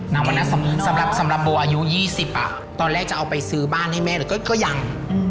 เก่งน้อยสำหรับโบ่อายุ๒๐ตอนแรกจะเอาไปซื้อบ้านให้แม่แต่ก็ยัง